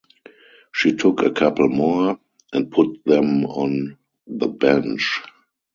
She took a couple more, and put them on the bench.